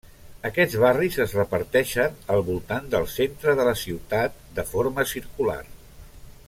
Aquests barris es reparteixen al voltant del centre de la ciutat, de forma circular.